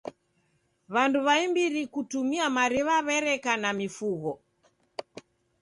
W'andu w'aimbiri kutumia mariw'a w'ereka na mifugho.